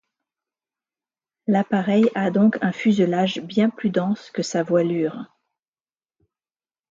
L'appareil a donc un fuselage bien plus dense que sa voilure.